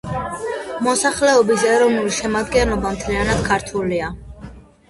მოსახლეობის ეროვნული შემადგენლობა მთლიანად ქართულია.